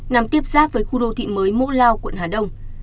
nằm tiếp xác với khu đồ thị mới mũ lao quận hà đông